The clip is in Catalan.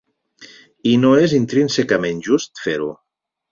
I no és intrínsecament just fer-ho.